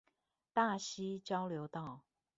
大溪交流道